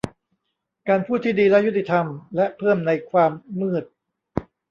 การพูดที่ดีและยุติธรรม และเพิ่มในความมืด